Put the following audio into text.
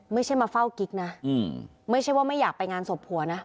ไม่ใช่มาเฝ้ากิ๊กนะไม่ใช่ว่าไม่อยากไปงานศพผัวนะ